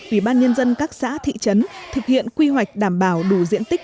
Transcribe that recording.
ủy ban nhân dân các xã thị trấn thực hiện quy hoạch đảm bảo đủ diện tích